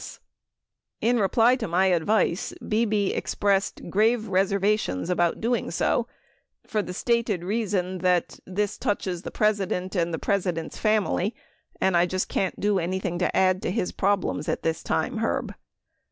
Bebe in reply to my advice expressed grave reservations about so doing for the stated reason that, "this touches the President and the President's family, and I just can't do anything to add to his problems at this time, Herb."